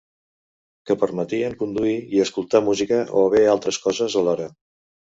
Que permetien conduir i escoltar música o bé altres coses alhora.